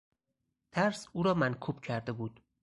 ترس او را منکوب کرده بود.